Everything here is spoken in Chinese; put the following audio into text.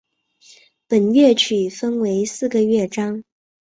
本乐曲共分为四个乐章。